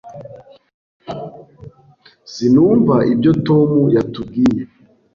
Sinumva ibyo Tom yatubwiye.